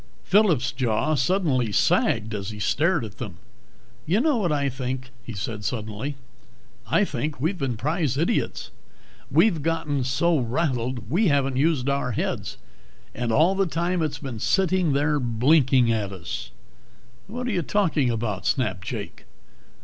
Phillip's jaw suddenly sagged as he stared at them. "You know what I think?" he said suddenly. "I think we've been prize idiots. We've gotten so rattled we haven't used our heads. And all the time it's been sitting there blinking at us!" "What are you talking about?" snapped Jake.